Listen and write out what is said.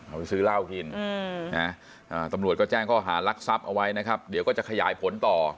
เอาไปซื้อเหล้ากินตำรวจก็แจ้งข้อหารักทรัพย์เอาไว้นะครับเดี๋ยวก็จะขยายผลต่อ